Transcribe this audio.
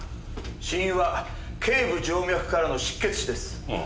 死因は頸部静脈からの失血死です。